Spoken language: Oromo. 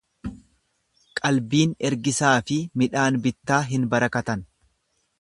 Qalbiin ergisaafi midhaan bittaa hin barakatan.